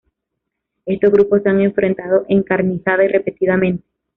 Estos grupos se han enfrentado encarnizada y repetidamente.